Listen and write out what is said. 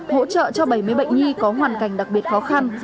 hỗ trợ cho bảy mươi bệnh nhi có hoàn cảnh đặc biệt khó khăn